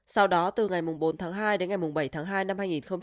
sau đó từ ngày bốn tháng hai đến ngày bảy tháng hai năm hai nghìn một mươi chín